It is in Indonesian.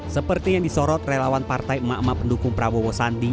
seperti yang disorot relawan partai emak emak pendukung prabowo sandi